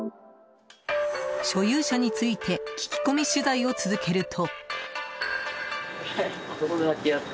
所有者について聞き込み取材を続けると。